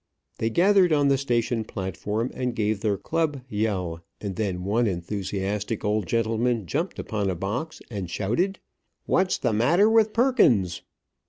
They gathered on the station platform, and gave their club yell; and then one enthusiastic old gentleman jumped upon a box and shouted: "What's the matter with Perkins?"